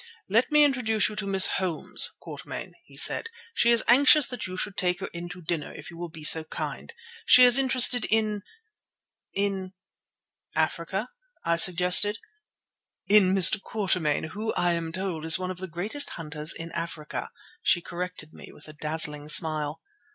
"Let me introduce you to Miss Holmes, Quatermain," he said. "She is anxious that you should take her in to dinner, if you will be so kind. She is very interested in—in——" "Africa," I suggested. "In Mr. Quatermain, who, I am told, is one of the greatest hunters in Africa," she corrected me, with a dazzling smile.